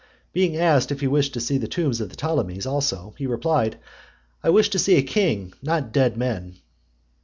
Being asked if he wished to see the tombs of the Ptolemies also; he replied, "I wish to see a king, not dead men."